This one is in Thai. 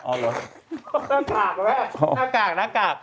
หน้ากากด้วยแม่หน้ากาก